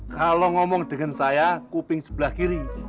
kalau ngomong dengan saya kuping sebelah kiri